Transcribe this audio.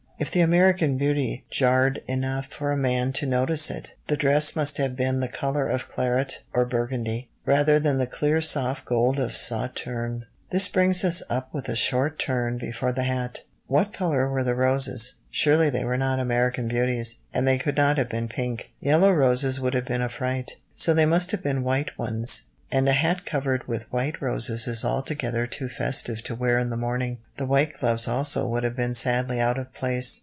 If the American Beauty jarred enough for a man to notice it, the dress must have been the colour of claret, or Burgundy, rather than the clear soft gold of sauterne. This brings us up with a short turn before the hat. What colour were the roses? Surely they were not American Beauties, and they could not have been pink. Yellow roses would have been a fright, so they must have been white ones, and a hat covered with white roses is altogether too festive to wear in the morning. The white gloves also would have been sadly out of place.